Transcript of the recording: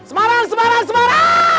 semarang semarang semarang